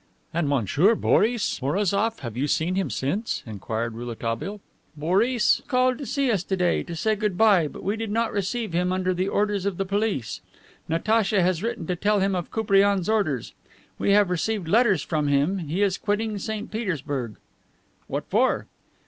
"And Monsieur Boris Mourazoff, have you seen him since?" inquired Rouletabille. "Boris called to see us to day, to say good by, but we did not receive him, under the orders of the police. Natacha has written to tell him of Koupriane's orders. We have received letters from him; he is quitting St. Petersburg. "What for?"